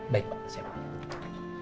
baik pak siap